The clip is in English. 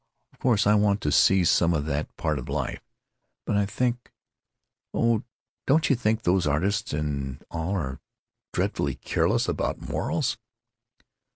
Of course I want to see some of that part of life, but I think——Oh, don't you think those artists and all are dreadfully careless about morals?"